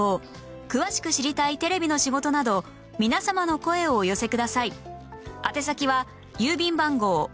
詳しく知りたいテレビの仕事など皆様の声をお寄せください